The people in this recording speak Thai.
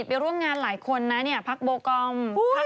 เป็นคนจัดมาที่นี่